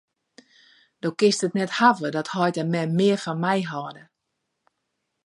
Do kinst it net hawwe dat heit en mem mear fan my hâlde.